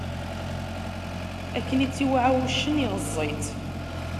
Akken i tt-iwɛa wuccen, iɣeẓẓ-itt.